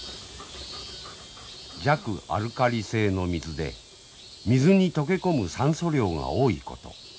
弱アルカリ性の水で水に溶け込む酸素量が多いこと。